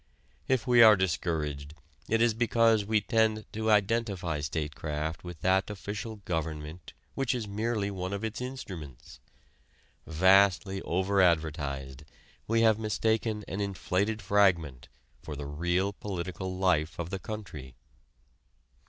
If we are discouraged it is because we tend to identify statecraft with that official government which is merely one of its instruments. Vastly over advertised, we have mistaken an inflated fragment for the real political life of the country.